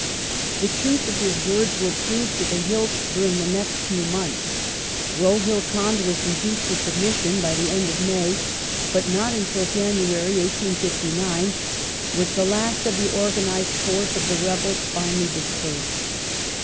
The truth of his words was proved to the hilt during the next few months. Rohilkhand was reduced to submission by the end of May, but not until January, 1859, was the last of the organized force of the rebels finally dispersed.